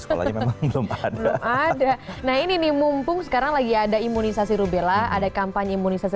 belum ada nah ini nih mumpung sekarang lagi ada imunisasi rubella ada kampanye imunisasi